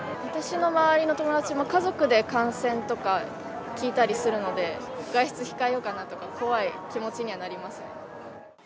私の周りの友達も家族で感染とか聞いたりするので、外出控えようかなとか、怖い気持ちにはなりますね。